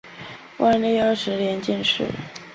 万历二十年进士。